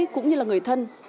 cũng như là người thân